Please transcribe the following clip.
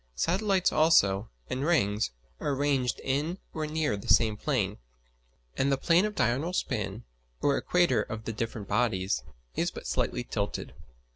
Satellites also, and rings, are arranged in or near the same plane; and the plane of diurnal spin, or equator of the different bodies, is but slightly tilted.